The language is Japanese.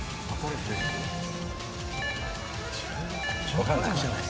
分かんない？